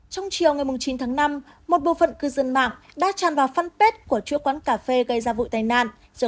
trong chiều ngày chín tháng năm một bộ phận cư dân mạng đã tràn vào phân pết của chỗ quán cà phê gây ra vụi tai nạn